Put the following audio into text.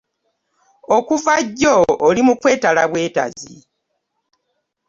Okuva jjo oli mu kwetala bwetazi.